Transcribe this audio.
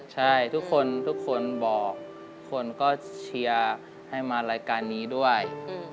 ใช่ทุกคนทุกคนบอกคนก็เชียร์ให้มารายการนี้ด้วย